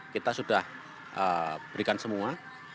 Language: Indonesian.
kita sudah berikan semua